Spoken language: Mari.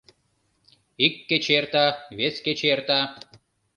Ик кече эрта, вес кече эрта.